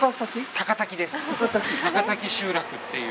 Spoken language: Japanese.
高滝集落っていう。